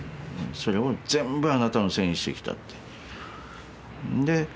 それを全部あなたのせいにしてきたって。